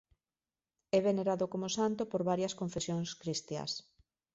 É venerado como santo por varias confesións cristiás.